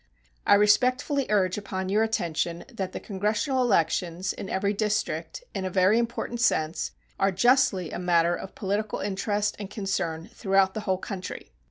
I respectfully urge upon your attention that the Congressional elections, in every district, in a very important sense, are justly a matter of political interest and concern throughout the whole country.